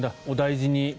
お大事に。